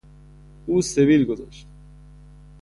او سبیل گذاشت.